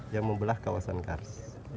yang membelah kawasan kars